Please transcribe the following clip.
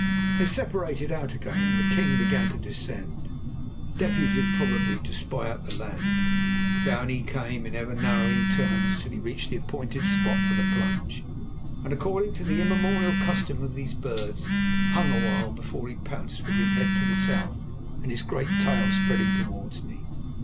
They separated out again, and the king began to descend, deputed probably to spy out the land. Down he came in ever narrowing turns, till he reached the appointed spot for the plunge, and, according to the immemorial custom of these birds, hung a while before he pounced with his head to the south and his great, spreading tail towards me.